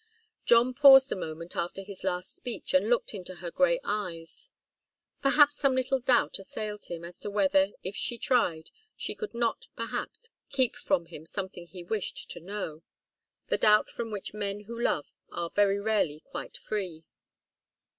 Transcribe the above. John paused a moment after his last speech, and looked into her grey eyes. Perhaps some little doubt assailed him as to whether, if she tried, she could not, perhaps, keep from him something he wished to know the doubt from which men who love are very rarely quite free.